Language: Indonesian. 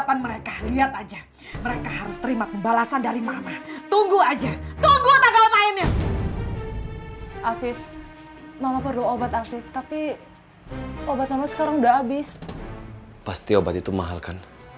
mama gak terima diginiin sama mereka